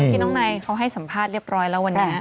ที่น้องนายเขาให้สัมภาษณ์เรียบร้อยแล้ววันนี้